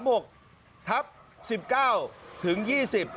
บ้านเลขที่๑๓๖๑๙๒๐